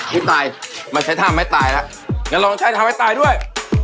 มี่ตายมาใช้ท่าไม๊ตายล่ะจะลองใช้ท่าไม๊ตายด้วย